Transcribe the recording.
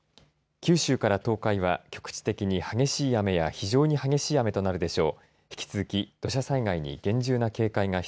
九州から東海は局地的に激しい雨や非常に激しい雨となるでしょう。